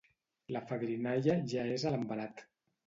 La fadrinalla ja és a l'envelat.